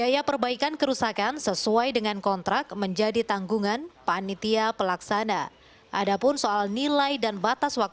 ya kan kita faktanya satu hari sudah selesai dua jam selesai kok